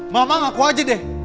mama ngaku aja deh